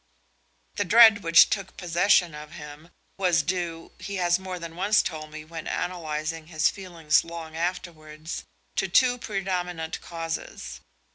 The dread which took possession of him was due, he has more than once told me when analysing his feelings long afterwards, to two predominant causes.